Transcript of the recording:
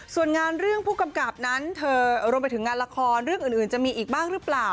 ส่วนงานเรื่องผู้กำกับนั้นเธอรวมไปถึงงานละครเรื่องอื่นจะมีอีกบ้างหรือเปล่า